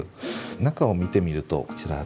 中を見てみるとこちらですね。